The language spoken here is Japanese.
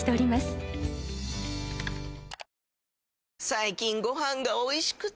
最近ご飯がおいしくて！